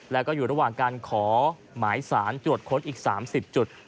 แล้วก็อยู่ระหว่างการขอหมายสารตรวจค้นอีก๓๐จุด